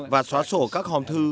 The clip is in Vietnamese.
và xóa sổ các hòm thư